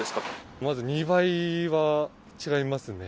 まず２倍は違いますね。